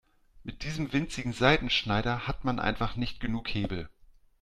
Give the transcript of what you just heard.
Mit diesem winzigen Seitenschneider hat man einfach nicht genug Hebel.